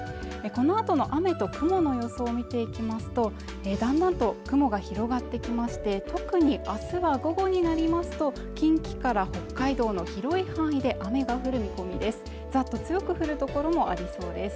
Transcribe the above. このあとの雨と雲の予想見ていきますとだんだんと雲が広がってきまして特に明日は午後になりますと近畿から北海道の広い範囲で雨が降る見込みですざっと強く降るところもありそうです